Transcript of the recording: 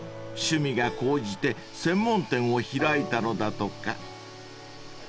［趣味が高じて専門店を開いたのだとか］